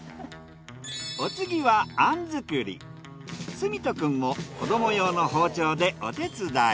お次は統仁くんも子ども用の包丁でお手伝い。